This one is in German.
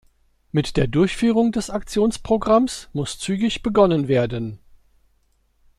Mit der Durchführung des Aktionsprogramms muss zügig begonnen werden.